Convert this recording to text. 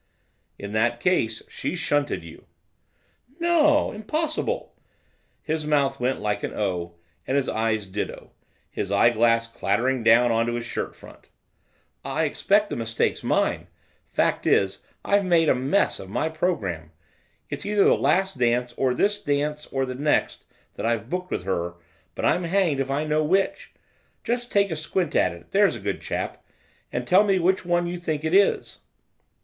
'In that case, she's shunted you.' 'No! Impossible!' His mouth went like an O, and his eyes ditto, his eyeglass clattering down on to his shirt front. 'I expect the mistake's mine. Fact is, I've made a mess of my programme. It's either the last dance, or this dance, or the next, that I've booked with her, but I'm hanged if I know which. Just take a squint at it, there's a good chap, and tell me which one you think it is.